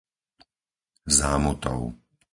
Zámutov